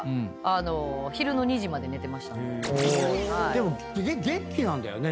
でも元気なんだよね。